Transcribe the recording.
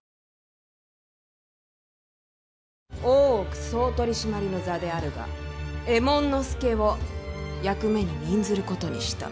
大奥総取締の座であるが右衛門佐を役目に任ずることにした。